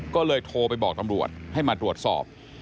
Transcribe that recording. ก็เลยโทรไปบอกตำรวจให้มาตรวจสอบ